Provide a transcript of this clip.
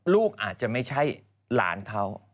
ลูกอาจจะไม่ใช่หลานเขา